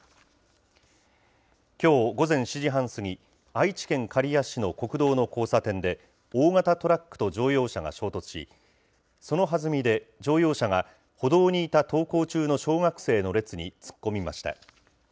きょう午前７時半過ぎ、愛知県刈谷市の国道の交差点で、大型トラックと乗用車が衝突し、そのはずみで乗用車が歩道にいた登校中の小学生の列に突っ込みました。